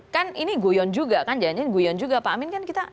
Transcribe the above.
kan ini guyon juga kan jangan jangan guyon juga pak amin kan kita